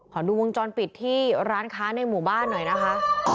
ดูวงจรปิดที่ร้านค้าในหมู่บ้านหน่อยนะคะ